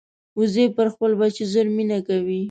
وزې پر خپل بچي ژر مینه کوي